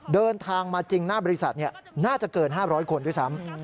เดินทางมาจริงหน้าบริษัทน่าจะเกิน๕๐๐คนด้วยซ้ำ